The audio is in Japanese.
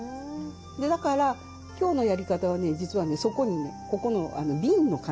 だから今日のやり方はね実はねそこにねここの鬢の髪